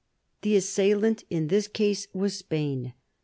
The assailant in this case was Spain.